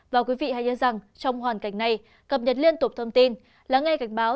và quý vị hãy nhớ rằng trong hoàn cảnh này cập nhật liên tục thông tin lắng nghe cảnh báo